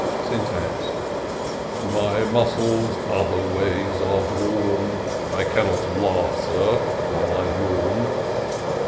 Syntax. " My muscles other ways are drawn : I cannot laugh, Sir, while I yawn."